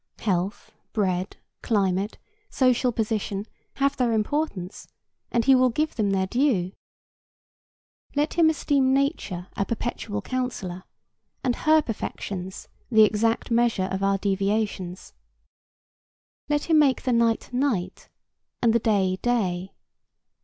Health, bread, climate, social position, have their importance, and he will give them their due. Let him esteem Nature a perpetual counsellor, and her perfections the exact measure of our deviations. Let him make the night night, and the day day.